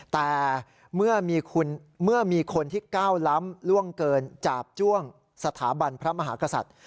แต่เมื่อมีคนที่ก้าวล้ำล่วงเกินจาบจ้วงสถาบันพระมหากษัตริย์